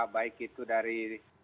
baik itu dari